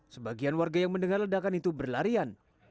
sebagian warga yang mendengar ledakan itu berlarian